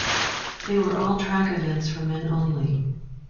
They were all track events for men only.